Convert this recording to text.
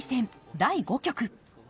第５局。